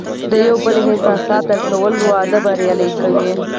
د یو بل احساسات درک کول، واده بریالی کوي.